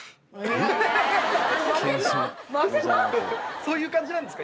そういう感じなんですか？